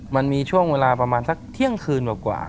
มันมีช่วงเวลาประมาณสักเที่ยงคืนกว่า